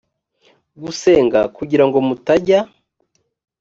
gusenga kugira ngo mutajya